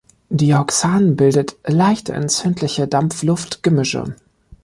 Dioxan bildet leicht entzündliche Dampf-Luft-Gemische.